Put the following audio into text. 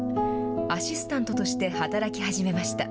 アシスタントとして働き始めました。